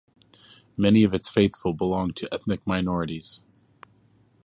Many of its faithful belong to ethnic minorities.